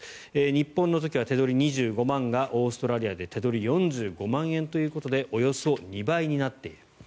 日本の時は手取り２５万円がオーストラリアでは手取り４５万円ということでおよそ２倍になっている。